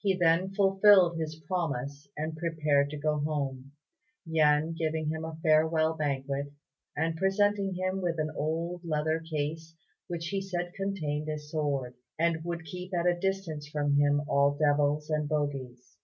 He then fulfilled his promise and prepared to go home, Yen giving him a farewell banquet, and presenting him with an old leather case which he said contained a sword, and would keep at a distance from him all devils and bogies.